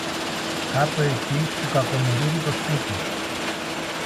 Κάτω εκεί, στου Κακομοιρίδη το σπίτι